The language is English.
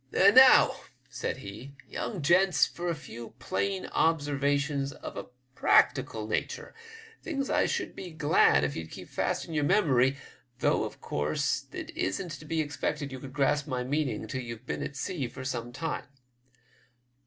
'* And now," said he, " young gents, for a few plain observations of a practical nature ; things I should be glad if ye'd keep fast in your memory, though of course it isn't to be expected you could grasp my meaning till you've been to sea for some time.